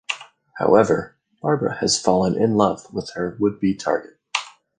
However, Barbara has fallen in love with her would-be target.